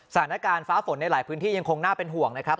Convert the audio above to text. สถานการณ์ฟ้าฝนในหลายพื้นที่ยังคงน่าเป็นห่วงนะครับ